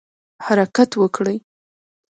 حرکت وکړئ